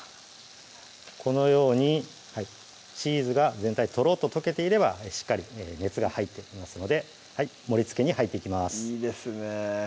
このようにチーズが全体トロッと溶けていればしっかり熱が入っていますので盛りつけに入っていきますいいですね